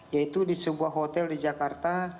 yaitu di sebuah hotel di jakarta